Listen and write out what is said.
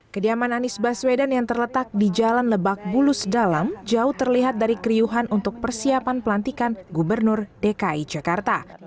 kediaman anies baswedan yang terletak di jalan lebak bulus dalam jauh terlihat dari keriuhan untuk persiapan pelantikan gubernur dki jakarta